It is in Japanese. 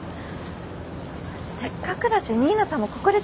せっかくだし新名さんもここで食べましょ。